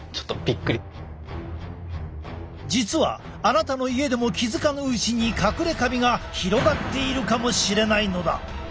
実はあなたの家でも気付かぬうちにかくれカビが広がっているかもしれないのだ。